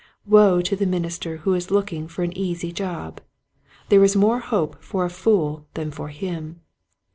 Woe to the minister who is looking for an easy job ! There is more hope for a fool than for him.